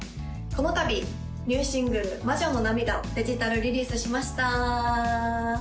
この度ニューシングル「まじょの涙」をデジタルリリースしました